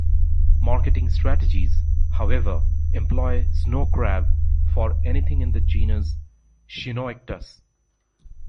Marketing strategies, however, employ snow crab"' for anything in the genus "Chionoecetes".